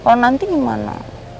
kalau nanti gimana